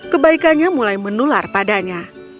kebaikannya mulai menular padanya